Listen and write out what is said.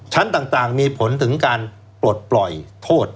ชั้นต่างมีผลถึงการปลดปล่อยโทษ